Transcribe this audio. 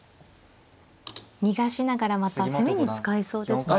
逃がしながらまた攻めに使えそうですね。